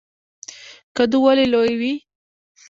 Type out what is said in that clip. کدو ولې لوی وي؟